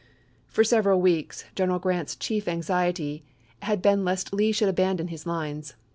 For several weeks General Grant's chief anxiety had been lest Lee should abandon his lines.